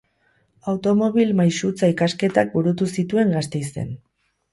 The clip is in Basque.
Automobil-maisutza ikasketak burutu zituen Gasteizen.